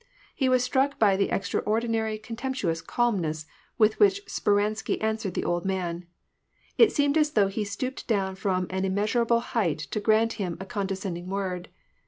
He was struck by the extraordinary, contemptuous calmness with which Sper ansky answered the old man. It seemed as though he stooped down from an immeasurable height to grant him a condescending word.